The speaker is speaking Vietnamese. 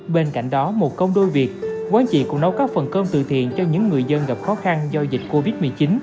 bên cạnh đó một công đôi việc quán chị cũng nấu các phần cơm từ thiện cho những người dân gặp khó khăn do dịch covid một mươi chín